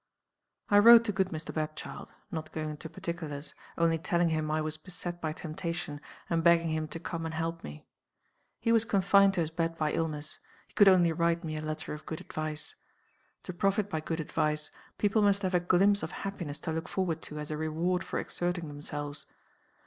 "I wrote to good Mr. Bapchild. Not going into particulars; only telling him I was beset by temptation, and begging him to come and help me. He was confined to his bed by illness; he could only write me a letter of good advice. To profit by good advice people must have a glimpse of happiness to look forward to as a reward for exerting themselves.